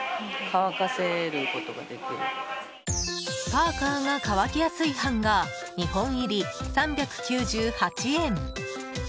パーカーが乾きやすいハンガー２本入り、３９８円。